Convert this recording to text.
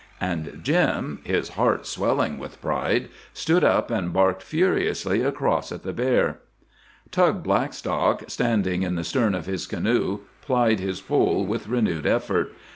And Jim, his heart swelling with pride, stood up and barked furiously across at the bear. Tug Blackstock, standing in the stern of his canoe, plied his pole with renewed effort.